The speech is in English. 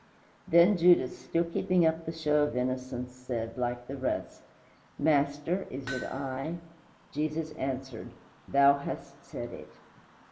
Then Judas, still keeping up the show of innocence, said, like the rest, "Master, is it I?" Jesus answered, "Thou hast said it."